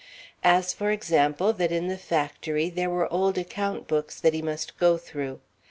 As, for example, that in the factory there were old account books that he must go through.